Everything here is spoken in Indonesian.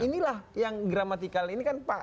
inilah yang gramatikal ini kan pak